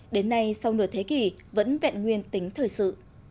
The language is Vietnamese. đến nay sau nửa thế kỷ vẫn vẹn nguyên tính thời sự